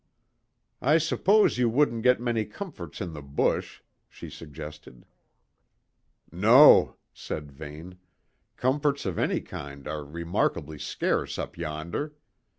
"I suppose you wouldn't get many comforts in the bush," she suggested. "No," said Vane. "Comforts of any kind are remarkably scarce up yonder.